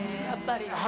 やっぱり。